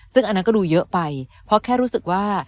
ซึ่งอันนั้นก็ดูเยอะไปเพราะแค่รู้สึกว่า